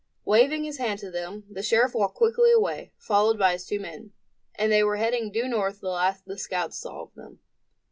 Waving his hand to them, the sheriff walked quickly away, followed by his two men. And they were heading due north the last the scouts saw of them.